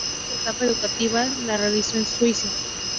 Parte de su etapa educativa la realizó en Suiza.